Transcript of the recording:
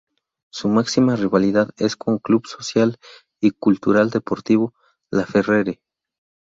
Su máxima rivalidad es con Club Social y Cultural Deportivo Laferrere.